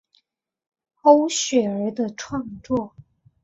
区雪儿的创作。